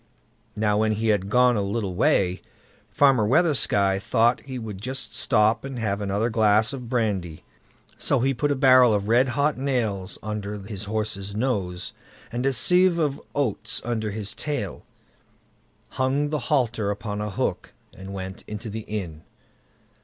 Now when he had gone a little way, Farmer Weathersky thought he would just stop and have another glass of brandy; so he put a barrel of red hot nails under his horse's nose, and a sieve of oats under his tail, hung the halter, upon a hook, and went into the inn.